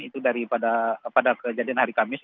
itu daripada pada kejadian hari kamis